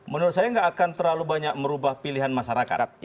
menurut saya nggak akan terlalu banyak merubah pilihan masyarakat